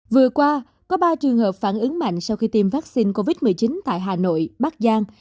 vừa qua có ba trường hợp phản ứng mạnh sau khi tiêm vaccine covid một mươi chín tại hà nội bắc giang